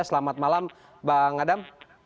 selamat malam bang adam